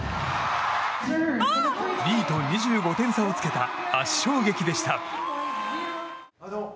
２位と２５点差をつけた圧勝劇でした。